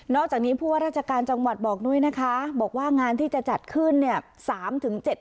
จากนี้ผู้ว่าราชการจังหวัดบอกด้วยนะคะบอกว่างานที่จะจัดขึ้นเนี่ย